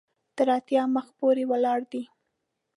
تر اتیا مخ پورې ولاړ دی.